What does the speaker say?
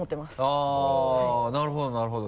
あっなるほどなるほど。